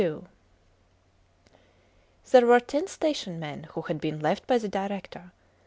II There were ten station men who had been left by the Director.